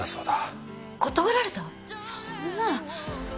そんな。